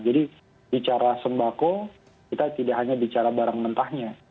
jadi bicara sembako kita tidak hanya bicara barang mentahnya